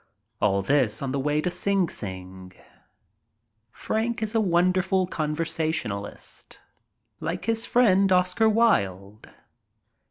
All this on the way to Sing Sing. Frank is a wonderful conversationalist. Like his friend Oscar Wilde.